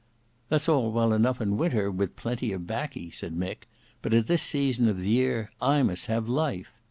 "That's all well eno' in winter time with plenty of baccy," said Mick, "but at this season of the year I must have life.